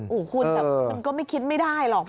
โอ้โหคุณแต่มันก็ไม่คิดไม่ได้หรอก